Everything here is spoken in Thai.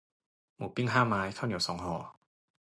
หมูปิ้งห้าไม้ ข้าวเหนียวสองห่อ